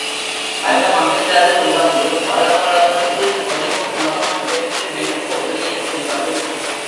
அரமகளிரது உடம்பு வழவழவென்று பொலிவும் நிறமும் பெற்று மெருகோடு இருக்கின்றது.